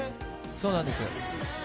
そうなんです。